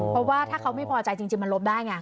เพราะว่าถ้าเขาไม่พอใจจริงมันลบได้ไง